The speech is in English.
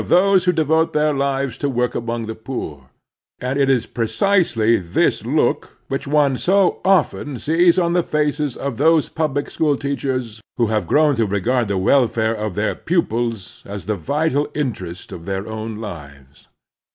those who devote their lives to work among the poor; and it is precisely this look which one so often sees on the faces of those public school teachers who have grown to regard the welfare of their pupils as the vital interest of their own lives.